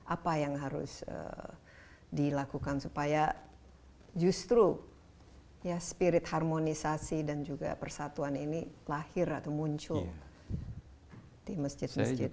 apa yang harus dilakukan supaya justru spirit harmonisasi dan juga persatuan ini lahir atau muncul di masjid masjid